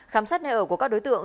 khám sát nơi ở của các đối tượng